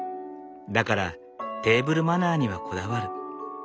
だからテーブルマナーにはこだわる。